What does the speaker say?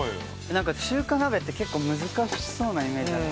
なんか中華鍋って結構難しそうなイメージある。